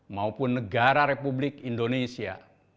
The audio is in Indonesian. maupun negara republik indonesia